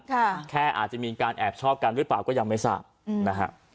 แค่อาจจะมีการแอบชอบกันหรือเปล่าก็ยังไม่ทราบอืมนะฮะ